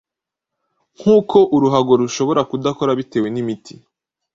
Nkuko uruhago rushobora kudakora bitewe n’imiti,